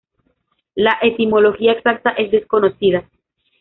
La etimología exacta es desconocida.